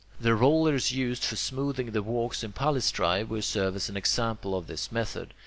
The rollers used for smoothing the walks in palaestrae will serve as an example of this method.